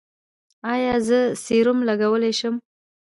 ایا زه سیروم لګولی شم؟